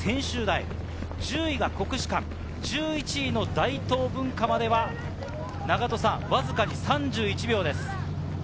１０位が国士館、１１位の大東文化までは、わずか３１秒です。